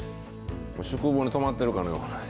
宿坊に泊まっているかのようなね